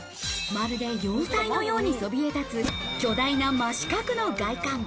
まるで要塞のようにそびえ立つ、巨大な真四角の外観。